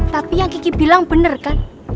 tapi yang kiki bilang benar kan